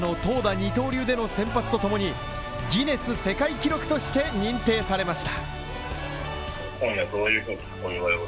二刀流での先発とともに、ギネス世界記録として認定されました。